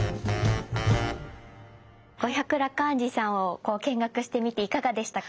五百羅漢寺さんを見学してみていかがでしたか？